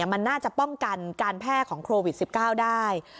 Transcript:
มันน่าจะป้องกันการแพร่ของโควิด๑๙ได้